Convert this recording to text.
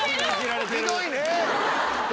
ひどいね！